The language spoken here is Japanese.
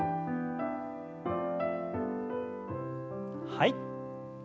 はい。